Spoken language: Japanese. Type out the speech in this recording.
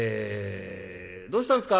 「どうしたんですか？